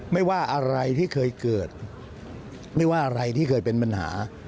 ไม่ว่าอะไรที่เคยเกิดไม่ว่าอะไรที่เคยเป็นปัญหา